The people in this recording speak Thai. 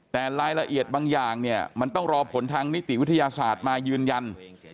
แต่รายละเอียดบางอย่างเนี่ยมันต้องรอผลทางนิติวิทยาศาสตร์มายืนยัน